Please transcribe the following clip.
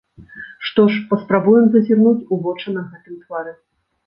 Што ж, паспрабуем зазірнуць ў вочы на гэтым твары.